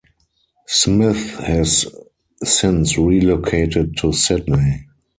Smith has since relocated to Sydney.